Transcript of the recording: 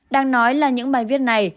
đang nói là những bài viết này